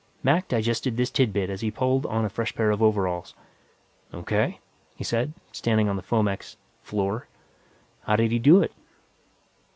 Mac digested this tidbit as he pulled on a fresh pair of coveralls. "O.K.," he said, standing on the foamex "floor." "How did he do it?"